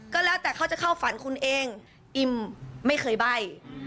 ก็แล้วแต่เขาจะเข้าฝันคุณเองอิมไม่เคยใบ้